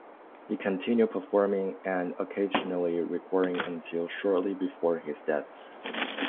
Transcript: He continued performing and occasionally recording until shortly before his death.